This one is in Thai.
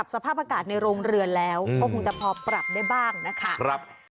สวัสดีครับ